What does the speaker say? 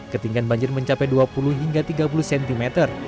ketinggian banjir mencapai dua puluh hingga tiga puluh cm